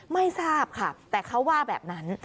ไม่ทราบค่ะแต่เขาว่าแบบนั้น